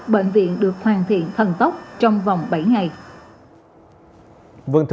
bệnh viện được thiết kế thành hai khối nhà điều trị